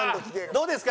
どうですか？